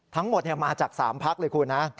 ทั้งหมดมาจาก๓พักเลยคุณนะ